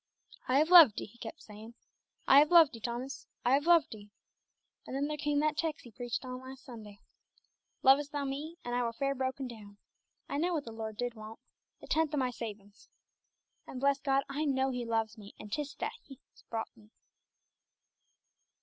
"'I have loved 'ee,' He kep' sayin', 'I have loved 'ee, Tummas, I have loved 'ee.' An' then came that there tex' 'ee preached on last Sunday, 'Lovest thou Me?' and I were fair broken down. I knowed what the Lord did want. The tenth o' my savin's! And bless God, I knows He loves me, and 'tis that has brought me!"